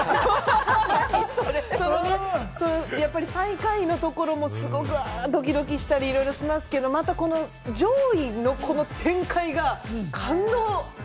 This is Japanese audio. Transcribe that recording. そのね、最下位のところも、すごくドキドキしたり、いろいろしますけれども、また上位のこの展開が感動！